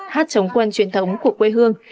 hát chống quân truyền thống của quê hương